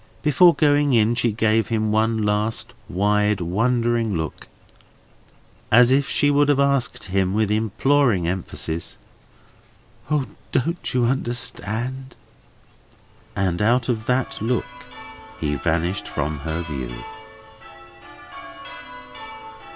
Before going in, she gave him one last, wide, wondering look, as if she would have asked him with imploring emphasis: "O! don't you understand?" And out of that look he vanished from her view.